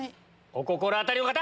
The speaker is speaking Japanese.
お心当たりの方！